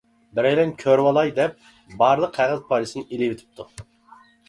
بىرەيلەن كۆرۈۋالاي، دەپ بارلىق قەغەز پارچىسىنى ئېلىۋېتىپتۇ.